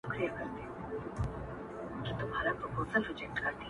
وينو به اور واخيست ګامونو ته به زور ورغی.!